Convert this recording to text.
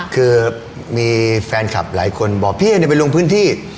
คือมีแฟนคลับหลายคนบอกพี่ไปลงพื้นที่